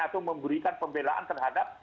atau memberikan pembelaan terhadap